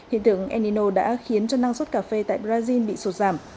hiện tượng enino đã khiến cho năng suất cà phê tại brazil bị sụt giảm